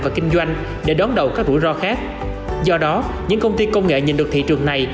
và kinh doanh để đón đầu các rủi ro khác do đó những công ty công nghệ nhìn được thị trường này